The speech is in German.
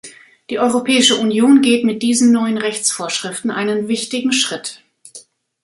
Die Europäische Union geht mit diesen neuen Rechtsvorschriften einen wichtigen Schritt.